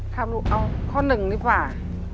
ลูกเอาข้อหนึ่งดีกว่า